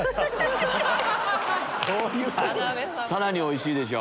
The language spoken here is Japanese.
さらにおいしいでしょ。